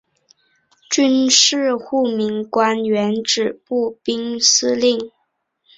军事护民官原指步兵司令。